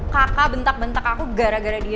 kakak bentak bentak aku gara gara dia